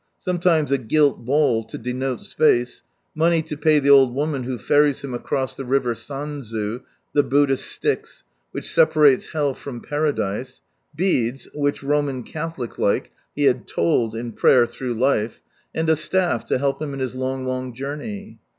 Sometimes a gill ball to denote space ; money to pay the old woman who ferries him across the river Sandzu, the Buddhist Styx, which separates hell from paradise; beads, which {Roman Catholic like) he had " told " in prayer through life ; and a staff to help him on his long long journey.